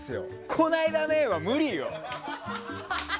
この間ね！は無理よ。